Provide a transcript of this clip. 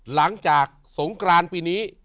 หลังจากสงกรานปีนี้